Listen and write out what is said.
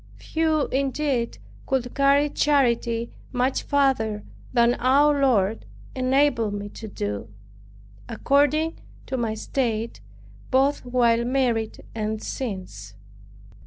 Few indeed could carry charity much farther than our Lord enabled me to do, according to my state, both while married and since.